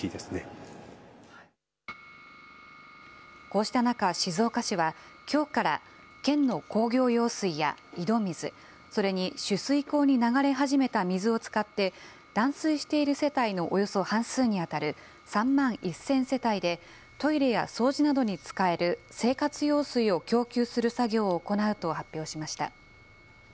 こうした中、静岡市はきょうから県の工業用水や井戸水、それに取水口に流れ始めた水を使って、断水している世帯のおよそ半数に当たる３万１０００世帯で、トイレや掃除などに使える生活用水を供給する作業を行うと発表しました。